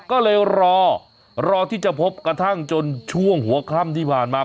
ก็เลยรอรอที่จะพบกระทั่งจนช่วงหัวค่ำที่ผ่านมา